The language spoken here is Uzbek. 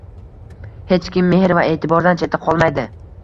Hech kim mehr va e’tibordan chetda qolmaydi!